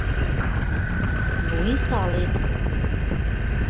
Ну и салет!